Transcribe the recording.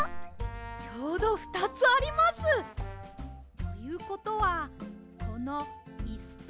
ちょうどふたつあります！ということはこのイスとイスのあいだの。